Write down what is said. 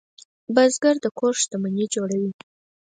بزګر د کور شتمني جوړوي